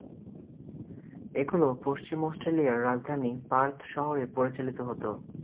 এগুলো পশ্চিম অস্ট্রেলিয়ার রাজধানী পার্থ শহরে পরিচালিত হতো।